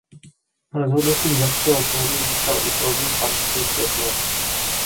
Rozhodnutím zemského soudu získal i polovinu panství Světlov.